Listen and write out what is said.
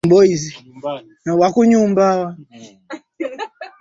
Huachi ninyauke